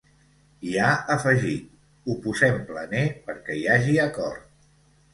I ha afegit: Ho posem planer perquè hi hagi acord.